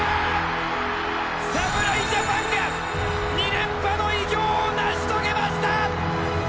侍ジャパンが２連覇の偉業を成し遂げました！